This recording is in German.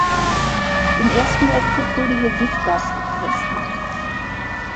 Im Ersten Weltkrieg wurde hier Giftgas getestet.